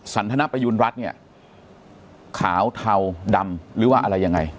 สันทนประยุณรัฐเนี่ยขาวเทาดำหรือว่าอะไรยังไง